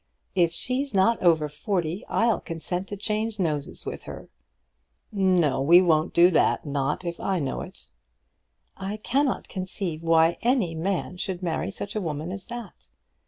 "If she's not over forty, I'll consent to change noses with her." "No; we won't do that; not if I know it." "I cannot conceive why any man should marry such a woman as that.